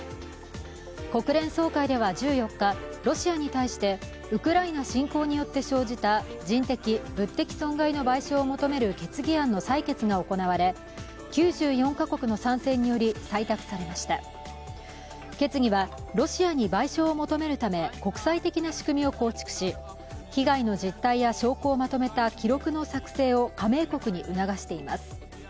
国連総会では１４日、ロシアに対してウクライナ侵攻によって生じた人的・物的損害の賠償を求める決議案の採決が行われ９４か国の賛成により採択されました、決議はロシアに賠償を求めるため国際的な仕組みを構築し被害の実態や、証拠をまとめた記録の作成を加盟国に促しています。